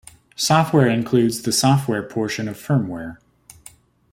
Software includes the software portion of firmware.